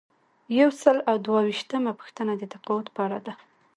یو سل او دوه ویشتمه پوښتنه د تقاعد په اړه ده.